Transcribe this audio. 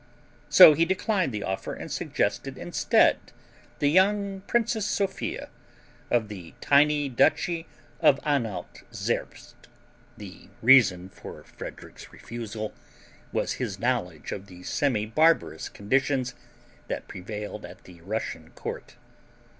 So he declined the offer and suggested instead the young Princess Sophia of the tiny duchy of Anhalt Zerbst. The reason for Frederick's refusal was his knowledge of the semi barbarous conditions that prevailed at the Russian court.